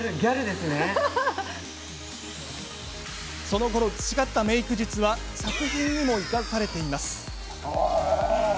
そのころ培ったメイク術は作品にも生かされています。